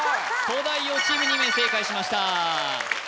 東大王チーム２名正解しました